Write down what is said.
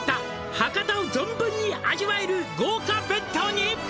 「博多を存分に味わえる豪華弁当に」